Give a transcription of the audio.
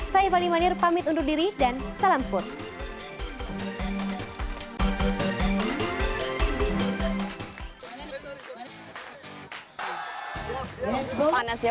saya fani manir pamit undur diri dan salam sports